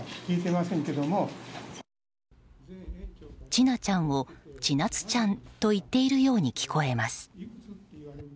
千奈ちゃんをちなつちゃんと言っているように聞こえます。